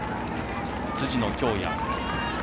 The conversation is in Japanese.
辻野恭哉。